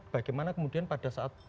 bagaimana kemudian pada saat